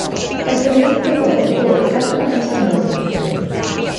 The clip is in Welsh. Derbynient gyflog plwyf heb fod yn bresennol yn y plwyf.